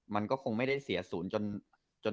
มันก็คงไม่ได้เสียศูนย์จน